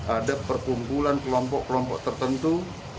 ada perkumpulan kelompok kelompok tertentu